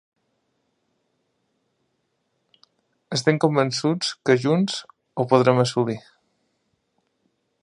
Estem convençuts que junts, ho podrem assolir.